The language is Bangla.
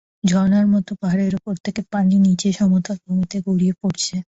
ঝরনার মতো পাহাড়ের ওপর থেকে পানি নিচে সমতল ভূমিতে গড়িয়ে পড়ছে।